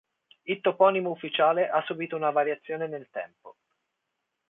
Il toponimo ufficiale ha subito una variazione nel tempo.